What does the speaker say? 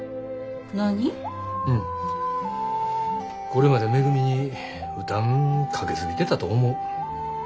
これまでめぐみに負担かけ過ぎてたと思う。